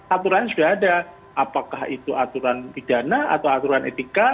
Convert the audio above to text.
aturan sudah ada apakah itu aturan pidana atau aturan etika